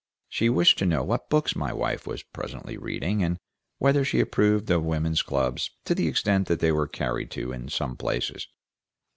She wished to know what books my wife was presently reading, and whether she approved of women's clubs to the extent that they were carried to in some places.